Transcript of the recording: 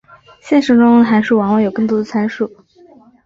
现实中的函数往往有更多的参数。